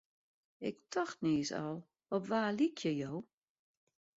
Ik tocht niis al, op wa lykje jo?